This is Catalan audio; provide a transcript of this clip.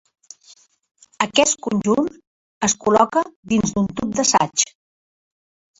Aquest conjunt es col·loca dins d'un tub d'assaig.